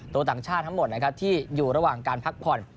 ต่างชาติทั้งหมดนะครับที่อยู่ระหว่างการพักผ่อน